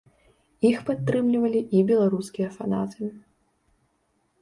Іх падтрымлівалі і беларускія фанаты.